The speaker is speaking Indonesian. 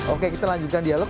oke kita lanjutkan dialog